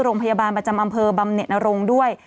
โรงพยาบาลประจำอำเภอบำเน็ตนรงค์ด้วย